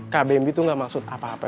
kbmb tuh gak maksud apa apa